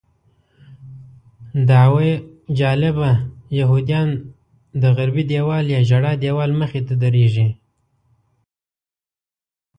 دعوه جلبه یهودیان د غربي دیوال یا ژړا دیوال مخې ته درېږي.